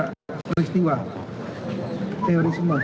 dan juga ada peristiwa teori semua